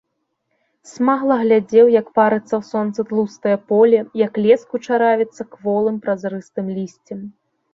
Смагла глядзеў, як парыцца ў сонцы тлустае поле, як лес кучаравіцца кволым, празрыстым лісцем.